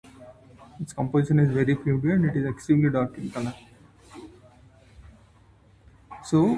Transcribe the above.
Its composition is very primitive and it is extremely dark in color.